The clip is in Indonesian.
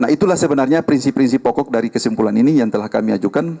nah itulah sebenarnya prinsip prinsip pokok dari kesimpulan ini yang telah kami ajukan